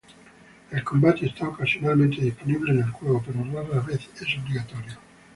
El combate está ocasionalmente disponible en el juego, pero rara vez es obligatorio.